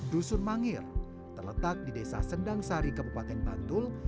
dusun mangir terletak di desa sendang sari kabupaten bantul